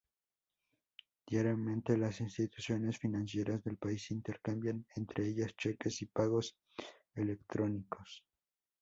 Diariamente, las instituciones financieras del país intercambian entre ellas cheques y pagos electrónicos.